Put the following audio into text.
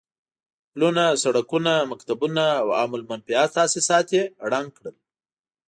پلونه، سړکونه، مکتبونه او عام المنفعه تاسيسات يې ړنګ کړل.